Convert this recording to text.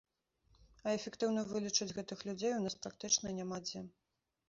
А эфектыўна вылечыць гэтых людзей у нас практычна няма дзе.